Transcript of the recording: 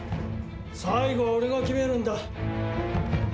最後は俺が決めるんだ。